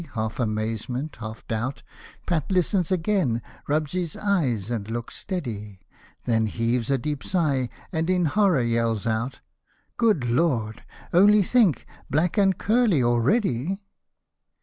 — half amazement — half doubt, Pat listens again — rubs his eyes and looks steady ; Then heaves a deep sigh, and in horror yells out, " Good Lord ! only think — black and curly already